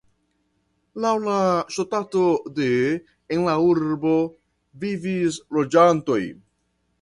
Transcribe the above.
Laŭ la stato de en la urbo vivis loĝantoj.